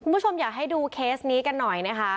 คุณผู้ชมอยากให้ดูเคสนี้กันหน่อยนะคะ